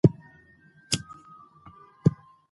چې د قدم اخيستو سره به نيم نيم بوټان